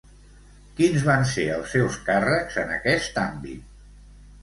Quins van ser els seus càrrecs en aquest àmbit?